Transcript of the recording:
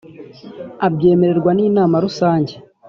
Abyemererwa n ‘Inama Rusange .